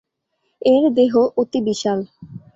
এঁর দেহ অতি বিশাল।